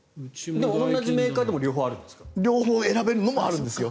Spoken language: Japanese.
同じメーカーでも両方あるのもあるんですか？